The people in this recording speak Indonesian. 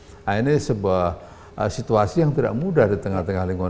nah ini sebuah situasi yang tidak mudah di tengah tengah lingkungan